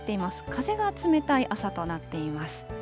風が冷たい朝となっています。